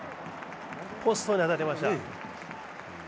ポストに当たりました。